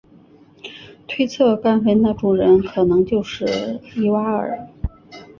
推测该坟的主人可能就是伊瓦尔。